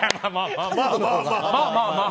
まあ、まあ。